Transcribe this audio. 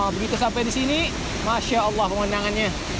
begitu sampai di sini masya allah pemandangannya